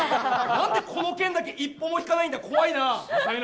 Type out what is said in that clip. なんでこの件だけ一歩も引かないんだ、怖いな。